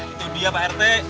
itu dia pak rt